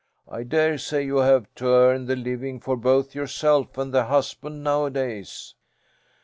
"I dare say you have to earn the living for both yourself and the husband nowadays."